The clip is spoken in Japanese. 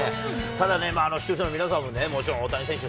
ただね、視聴者の皆さんももちろん大谷選手